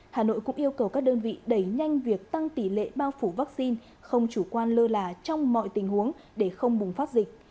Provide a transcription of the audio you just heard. hà nội cũng yêu cầu các đơn vị đẩy nhanh việc tăng tỷ lệ bao phủ vaccine không chủ quan lơ là trong mọi tình huống để không bùng phát dịch